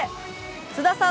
菅田さん